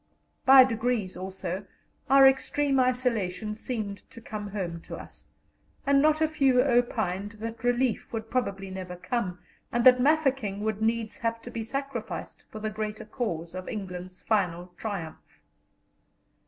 By degrees, also, our extreme isolation seemed to come home to us, and not a few opined that relief would probably never come, and that Mafeking would needs have to be sacrificed for the greater cause of England's final triumph.